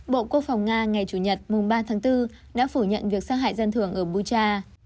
bộ quốc phòng nga ngày chủ nhật mùng ba tháng bốn đã phủ nhận việc xa hại dân thường ở bucha